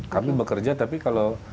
kami bekerja tapi kalau